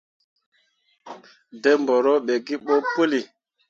Dǝ mbǝro be gii ɓo puli.